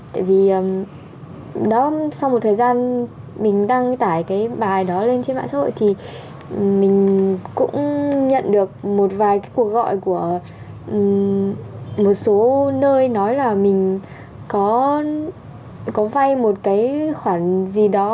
tại vì sau một thời gian mình đăng tải cái bài đó lên trên mạng xã hội thì mình cũng nhận được một vài cái cuộc gọi của một số nơi nói là mình có vay một cái khoản gì đó